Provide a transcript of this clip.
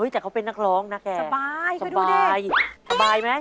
แต่เขาเป็นนักร้องนะแก่สบาย